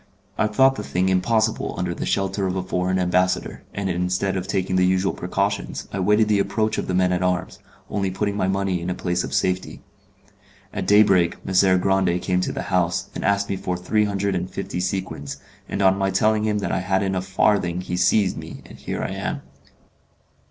I thought the thing impossible under the shelter of a foreign ambassador, and instead of taking the usual precautions, I waited the approach of the men at arms, only putting my money in a place of safety. At daybreak Messer Grande came to the house, and asked me for three hundred and fifty sequins, and on my telling him that I hadn't a farthing he seized me, and here I am."